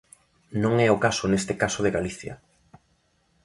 Non é o caso neste caso de Galicia.